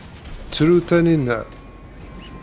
Tru Taninna.